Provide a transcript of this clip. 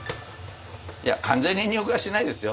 いや完全に乳化はしないですよ。